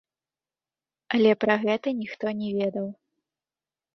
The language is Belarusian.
Але пра гэта ніхто не ведаў.